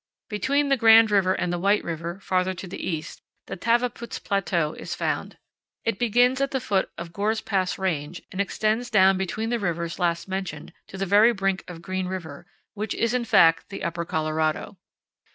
Between the Grand River and the White River, farther to the east, the Tavaputs Plateau is found. It begins at the foot of Gore's Pass Range and extends down between the rivers last mentioned to the very brink of Green River, which is in fact the upper Colorado.